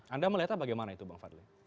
anda melihat apa bagaimana itu bang fadli